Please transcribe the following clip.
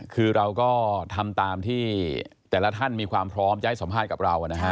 คือเราก็ทำตามที่แต่ละท่านมีความพร้อมจะให้สัมภาษณ์กับเรานะฮะ